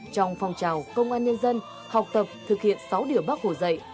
trong phòng trào công an nhân dân học tập thực hiện sáu điều bác hồ dạy